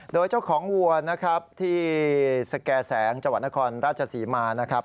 โดยเจ้าของวัวที่แก่แสงจวันนครราชศรีมานะครับ